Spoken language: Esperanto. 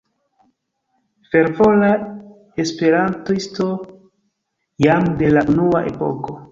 Fervora E-isto jam de la unua epoko.